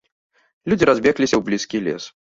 Людзі разбегліся ў блізкі лес.